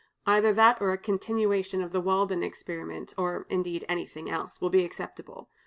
Either that, or a continuation of the Walden experiment (or indeed, anything else), will be acceptable.